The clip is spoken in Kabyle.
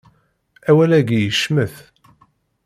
Awal-agi yecmet.